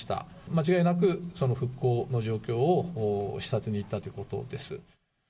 間違いなくその復興の状況を視察に行ったということです。